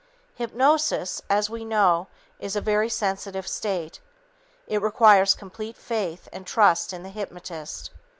Hypnosis, as we know, is a very sensitive state. It requires complete faith and trust in the hypnotist.